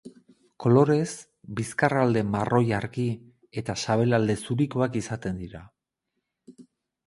Kolorez, bizkarralde marroi argi eta sabelalde zurikoak izaten dira.